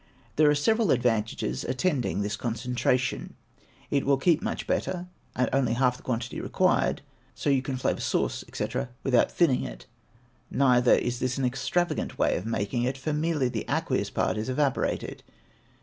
There are several advantages attending this concentration: it will keep much better, and only half the quantity required; so you can flavor sauce, &c., without thinning it; neither is this an extravagant way of making it, for merely the aqueous part is evaporated.